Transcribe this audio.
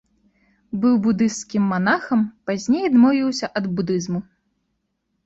Быў будысцкім манахам, пазней адмовіўся ад будызму.